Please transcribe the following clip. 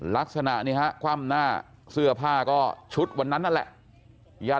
ลักษณะนี้ฮะคว่ำหน้าเสื้อผ้าก็ชุดวันนั้นนั่นแหละ